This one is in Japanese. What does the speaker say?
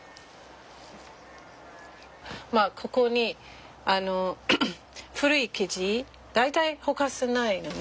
まあここに古い生地大体ほかせないのね。